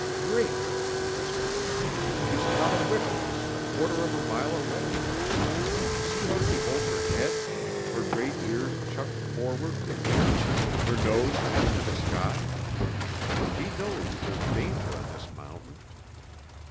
"Great!" he whispered. "She's caught a whiff of us, a quarter of a mile away. See how she holds her head, her great ears chucked forward to hear, her nose half to the sky! She knows there's danger on this mountain.